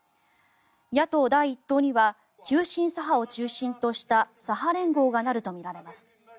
野党第１党には急進左派を中心とした左派連合がなるとみられます。